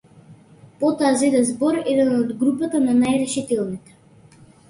Потоа зеде збор еден од групата на најрешителните.